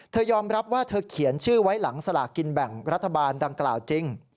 ยอมรับว่าเธอเขียนชื่อไว้หลังสลากกินแบ่งรัฐบาลดังกล่าวจริง